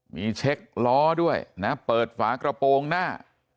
มีเช็คล้อด้วยนะเปิดฝากระโปรงหน้า